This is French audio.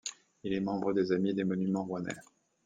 Il est membre des Amis des monuments rouennais.